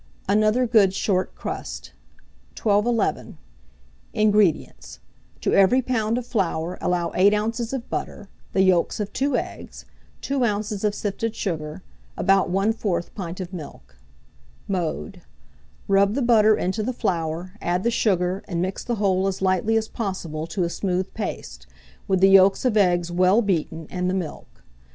ANOTHER GOOD SHORT CRUST. 1211. INGREDIENTS. To every lb. of flour allow 8 oz. of butter, the yolks of 2 eggs, 2 oz. of sifted sugar, about 1/4 pint of milk. Mode. Rub the butter into the flour, add the sugar, and mix the whole as lightly as possible to a smooth paste, with the yolks of eggs well beaten, and the milk.